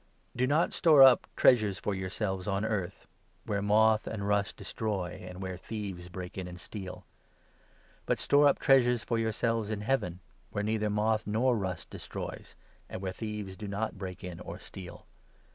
The true Do not store up treasures for yourselves on 19 Treasure, earth, where moth and rust destroy, and where thieves break in and steal. But store up treasures for yourselves 20 in Heaven, where neither moth nor rust destroys, and where thieves do not break in or steal.